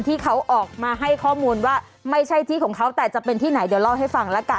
ที่เขาออกมาให้ข้อมูลว่าไม่ใช่ที่ของเขาแต่จะเป็นที่ไหนเดี๋ยวเล่าให้ฟังละกัน